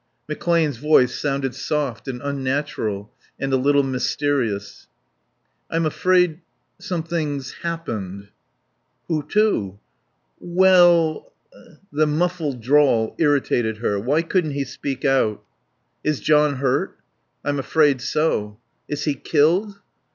McClane's voice sounded soft and unnatural and a little mysterious. "I'm afraid something's happened." "Who to?" "We ell " The muffled drawl irritated her. Why couldn't he speak out? "Is John hurt?" "I'm afraid so." "Is he killed?"